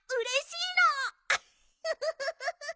フフフフ。